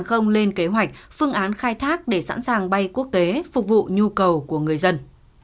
không lên kế hoạch phương án khai thác để sẵn sàng bay quốc tế phục vụ nhu cầu của người dân